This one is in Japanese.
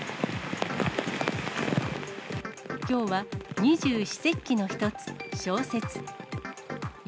きょうは二十四節気の一つ、小雪。